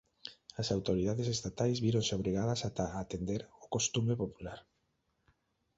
As autoridades estatais víronse obrigadas ata a atender ao costume popular.